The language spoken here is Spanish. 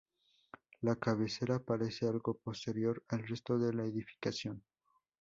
La cabecera parece algo posterior al resto de la edificación.